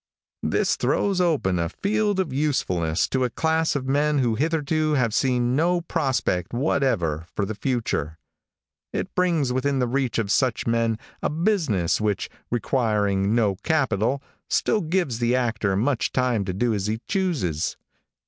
This throws open a field of usefulness to a class of men who hitherto have seen no prospect whatever for the future. It brings within the reach of such men a business which, requiring no capital, still gives the actor much time to do as he chooses.